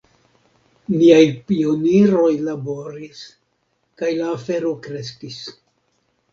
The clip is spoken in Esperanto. Niaj pioniroj laboris, kaj la afero kreskis.